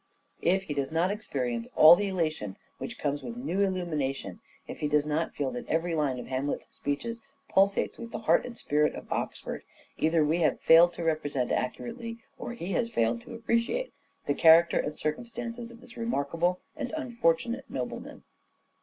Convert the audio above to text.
If he does not experience all the elation which comes with new illumination, if he does not feel that every line of Hamlet's speeches pulsates with the heart and spirit of Oxford, either we have failed to represent accurately, or he has failed to appreciate, the character and circumstances of this remarkable and unfortunate nobleman.